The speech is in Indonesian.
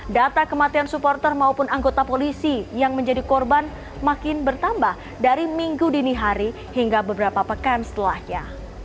data kematian supporter maupun anggota polisi yang menjadi korban makin bertambah dari minggu dini hari hingga beberapa pekan setelahnya